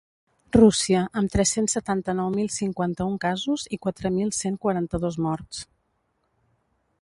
Rússia, amb tres-cents setanta-nou mil cinquanta-un casos i quatre mil cent quaranta-dos morts.